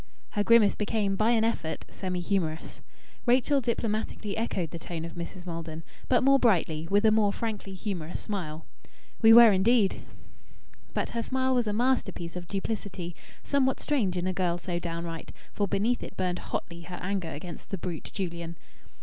Her grimace became, by an effort, semi humorous. Rachel diplomatically echoed the tone of Mrs. Maldon, but more brightly, with a more frankly humorous smile "We were, indeed!" But her smile was a masterpiece of duplicity, somewhat strange in a girl so downright; for beneath it burned hotly her anger against the brute Julian.